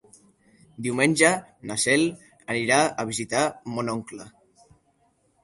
Diumenge na Cel anirà a visitar mon oncle.